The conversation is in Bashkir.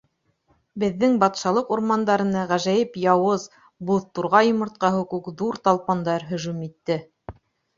— Беҙҙең батшалыҡ урмандарына ғәжәйеп яуыз, Буҙ турғай йомортҡаһы кеүек ҙур талпандар һөжүм итте.